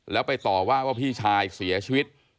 แล้วไปต่อว่าว่าพี่ชายเสียชีวิต